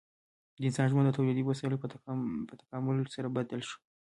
د انسان ژوند د تولیدي وسایلو په تکامل سره بدل شو.